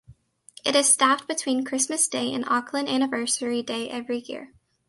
It is staffed between Christmas Day and Auckland Anniversary Day every year.